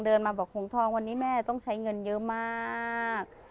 เดินมาบอกหงทองวันนี้แม่ต้องใช้เงินเยอะมาก